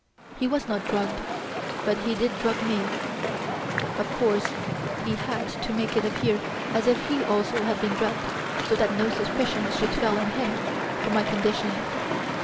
He was not drugged; but he did drug me. Of course he had to make it appear as if he also had been drugged so that no suspicion should fall on him for my condition.